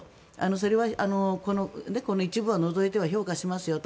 それは、この一部は除いて評価しますよと。